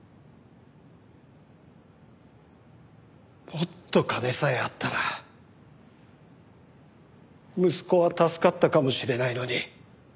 もっと金さえあったら息子は助かったかもしれないのに。